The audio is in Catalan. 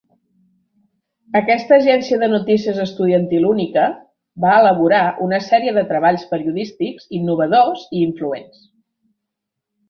Aquesta agència de notícies estudiantil única va elaborar una sèrie de treballs periodístics innovadors i influents.